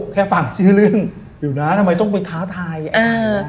ฟังชื่อเรื่องอยู่นะทำไมต้องไปท้าทายเออ